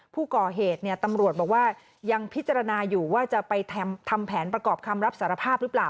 ผู้ก่อเหตุตำรวจบอกว่ายังพิจารณาอยู่ว่าจะไปทำแผนประกอบคำรับสารภาพหรือเปล่า